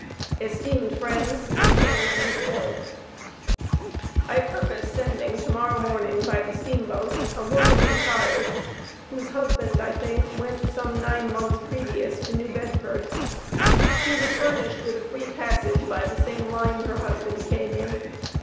ESTEEMED FRIENDS McKim and Still: I purpose sending to morrow morning by the steamboat a woman and child, whose husband, I think, went some nine months previous to New Bedford. She was furnished with a free passage by the same line her husband came in.